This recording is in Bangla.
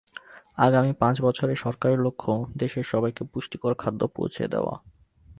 আগামী পাঁচ বছরে সরকারের লক্ষ্য দেশের সবাইকে পুষ্টিকর খাদ্য পৌঁছে দেওয়া।